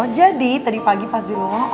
jadi tadi pagi pas di rumah